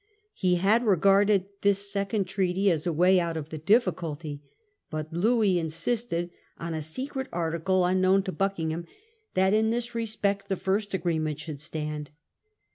He had regarded this second treaty as a way out of the difficulty ; but Louis insisted on a secret article, unknown to Buckingham, that in this respect the first agreement should stand.